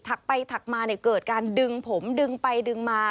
ักไปถักมาเนี่ยเกิดการดึงผมดึงไปดึงมา